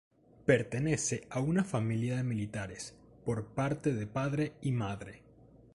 Pertenece a una familia de militares, por parte de padre y madre.